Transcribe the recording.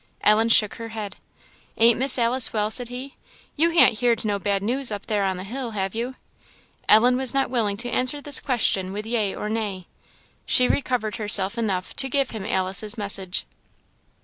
Ellen shook her head. "Ain't Miss Alice well?" said he; "you han't heerd no bad news up there on the hill, have you?" Ellen was not willing to answer this question with yea or nay. She recovered herself enough to give him Alice's message.